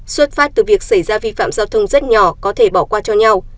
xuất phát từ việc xảy ra vi phạm giao thông rất nhỏ có thể bỏ qua cho nhau